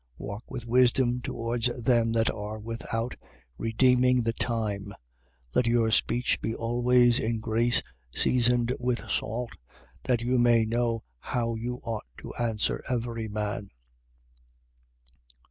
4:5. Walk with wisdom towards them that are without, redeeming the time. 4:6. Let your speech be always in grace seasoned with salt: that you may know how you ought to answer every man.